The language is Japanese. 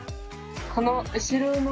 この後ろの。